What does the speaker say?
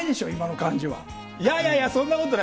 いやいやいや、そんなことない。